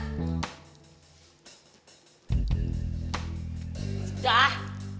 eh kamu mau aku jemput jam berapa nih